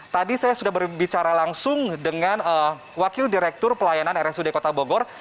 tadi saya sudah berbicara langsung dengan wakil direktur pelayanan rsud kota bogor